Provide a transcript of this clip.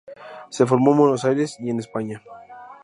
Se formó en Buenos Aires y en España.